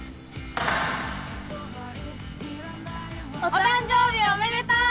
お誕生日おめでとう！